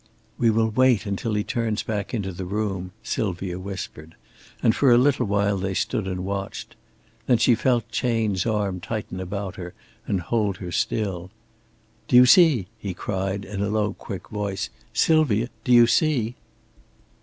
"We will wait until he turns back into the room," Sylvia whispered; and for a little while they stood and watched. Then she felt Chayne's arm tighten about her and hold her still. "Do you see?" he cried, in a low, quick voice. "Sylvia, do you see?"